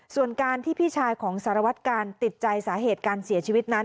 ส่วนการที่พี่ชายของสารวัตกาลติดใจสาเหตุการเสียชีวิตนั้น